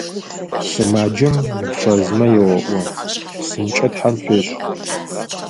Сымаджэм уфэзмэ еоӀо: «ПсынкӀэ Тхьэм пфешӀ!».